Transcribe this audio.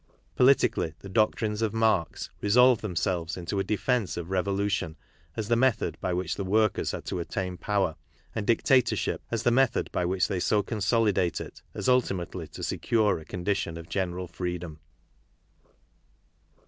Politically, the doctrines of Marx resolve themselves into a defence of revolution as the method by which the workers are to attain to power, and dictatorship as the method by which they so consolidate it as ultimately to secure a condition of general freedom.